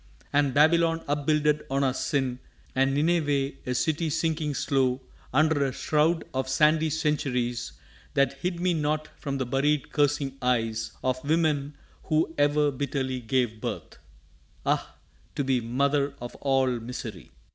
And Babylon upbuilded on our sin; And Nineveh, a city sinking slow Under a shroud of sandy centuries That hid me not from the buried cursing eyes Of women who e'er bitterly gave birth! Ah, to be mother of all misery!